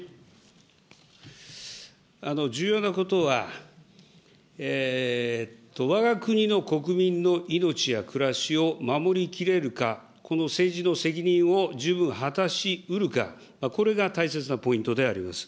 重要なことは、わが国の国民の命や暮らしを守りきれるか、この政治の責任を十分果たしうるか、これが大切なポイントであります。